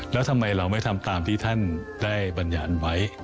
แล้วทำไมเราไม่ทำตามที่ท่านได้บรรยายไว้